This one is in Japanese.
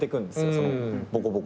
そのボコボコを。